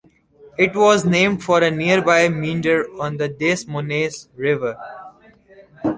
It was named for a nearby meander on the Des Moines River.